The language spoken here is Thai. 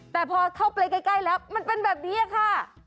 แต่พอเข้าไปใกล้แล้วมันเป็นแบบนี้ค่ะ